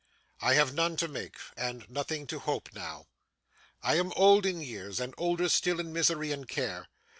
I have none to make, and nothing to hope now. I am old in years, and older still in misery and care.